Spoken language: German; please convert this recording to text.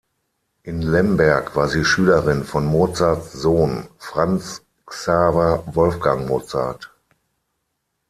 In Lemberg war sie Schülerin von Mozarts Sohn Franz Xaver Wolfgang Mozart.